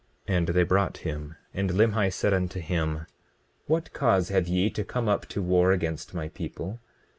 And they brought him. And Limhi said unto him: What cause have ye to come up to war against my people?